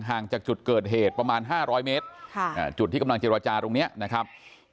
ห่างจากจุดเกิดเหตุประมาณ๕๐๐เมตรจุดที่กำลังเจรจาตรงนี้นะครับ